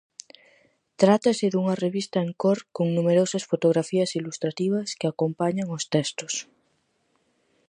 Trátase dunha revista en cor con numerosas fotografías ilustrativas que acompañan os textos.